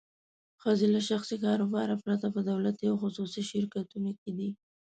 ښځې له شخصي کاروبار پرته په دولتي او خصوصي شرکتونو کې دي.